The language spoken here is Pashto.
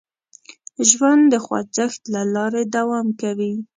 ژوند د خوځښت له لارې دوام کوي.